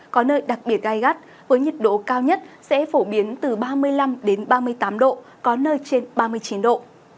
có nơi đặc biệt gai gắt với nhiệt độ cao nhất sẽ phổ biến từ ba mươi năm ba mươi tám độ có nơi trên ba mươi chín độ